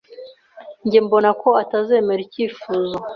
Njye mbona ko atazemera icyifuzo.